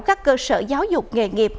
các cơ sở giáo dục nghề nghiệp